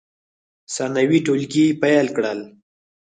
ثانوي ټولګي پیل کړل.